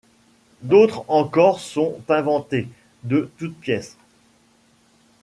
D'autres encore sont inventés de toutes pièces.